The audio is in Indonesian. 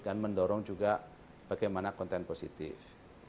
dan mendorong juga bagaimana konten positif